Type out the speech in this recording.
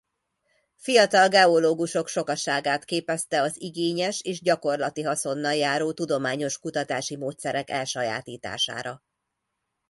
Fiatal geológusok sokaságát képezte az igényes és gyakorlati haszonnal járó tudományos kutatási módszerek elsajátítására.